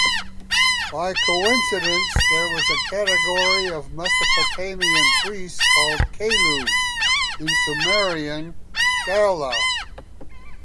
By coincidence there was a category of Mesopotamian priests called "kalu"; in Sumerian "gala".